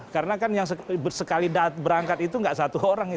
karena kan yang sekali berangkat itu nggak satu orang itu